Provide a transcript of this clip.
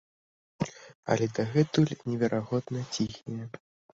Але дагэтуль неверагодна ціхія.